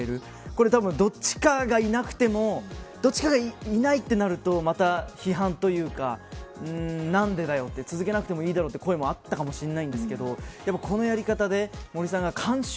これ、どっちかがいなくてもどっちかがいないとなるとまた批判というか何でだよと、続けなくてもいいだろうという声もあったかもしれないですけどでも、このやり方で森さんが監修。